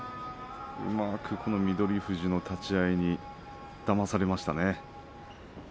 うまく翠富士の立ち合いにだまされましたね。